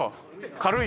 軽い。